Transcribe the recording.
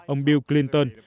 ông bill clinton